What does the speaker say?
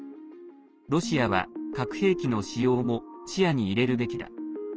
ロシアは、核兵器の使用も視野に入れるべきだ。